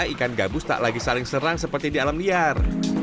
ikan gabus tak lagi saling serang seperti di alam liar